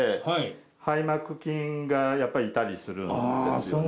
やっぱりいたりするんですよね。